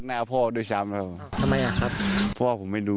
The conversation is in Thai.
ตำรวจเข้ามาเต็มบ้านาบบ้าน